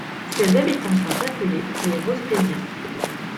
Ses habitants sont appelés les Rospéziens.